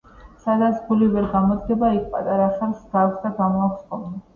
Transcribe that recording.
სადაც ცული ვერ გამოდგება, იქ პატარა ხერხს გააქვს და გამოაქვს ხოლმე